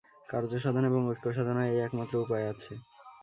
কার্যসাধন এবং ঐক্যসাধনের এই একমাত্র উপায় আছে।